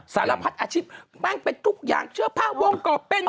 สารพักอาชีพบ้างไปทุกอย่างเชื่อภาควงก่อเป็น